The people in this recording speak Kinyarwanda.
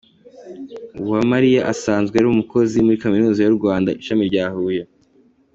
Uwamariya asanzwe ari umukozi muri Kaminuza y’u Rwanda, ishami rya Huye.